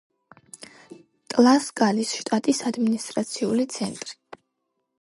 ტლასკალის შტატის ადმინისტრაციული ცენტრი.